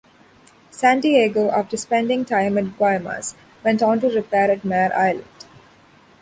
"San Diego" after spending time at Guaymas, went on to repair at Mare Island.